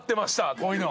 こういうの。